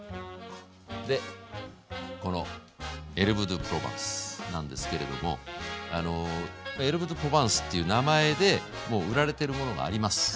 でこのエルブ・ド・プロバンスなんですけれどもエルブ・ド・プロバンスっていう名前でもう売られてるものがあります。